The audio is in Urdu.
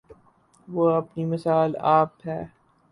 وہ اپنی مثال آپ ہے۔